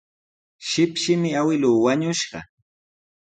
Shipshimi awkilluu wañushqa.